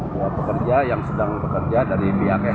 dua pekerja yang sedang bekerja dari bakh